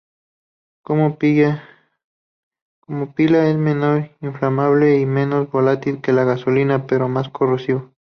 Como pila, es menos inflamable y menos volátil que la gasolina, pero más corrosivo.